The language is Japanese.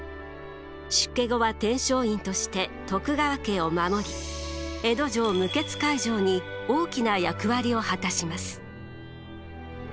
出家後は天璋院として徳川家を守り江戸城無血開城に大きな役割を果たします。